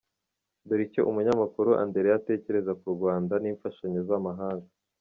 Dore icyo Umunyamakuru Andereya atekereza ku Rwanda, n’imfashanyo z’amahanga